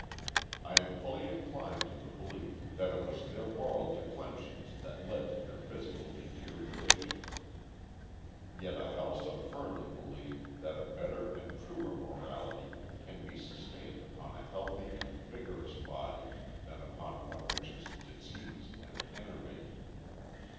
I am fully inclined to the belief that it was their moral declensions that led to their physical deterioration; yet I also firmly believe that a better and truer morality can be sustained upon a healthy and vigorous body than upon one which is diseased and enervated.